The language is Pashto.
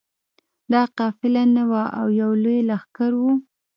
دا قافله نه وه او یو لوی لښکر وو.